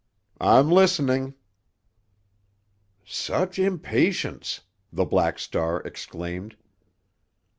"I'm listening!" "Such impatience!" the Black Star exclaimed.